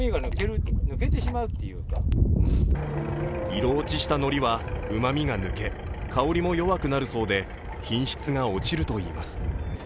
色落ちしたのりは、うまみが抜け香りも弱くなるそうで品質が落ちるといいます。